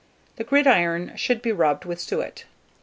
The gridiron should be rubbed with suet.